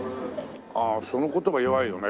ああその言葉弱いよね。